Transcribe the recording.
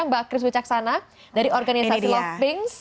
mbak kris wicaksana dari organisasi love pinks